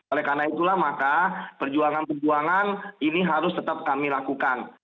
oleh karena itulah maka perjuangan perjuangan ini harus tetap kami lakukan